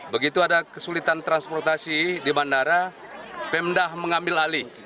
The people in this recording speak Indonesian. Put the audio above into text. begitu ada kesulitan transportasi di bandara pemda mengambil alih